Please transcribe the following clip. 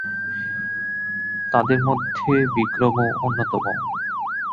তাদের মধ্যে বিক্রমও অন্যতম।